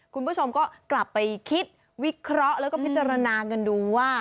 คุณผู้ชมก็กลับไปคิดวิเคราะห์แล้วก็พิจารณากันดูว่า